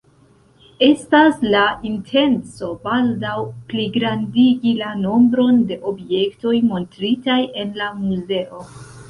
Estas la intenco baldaŭ pligrandigi la nombron de objektoj montritaj en la muzeo.